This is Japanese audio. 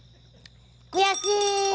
悔しい！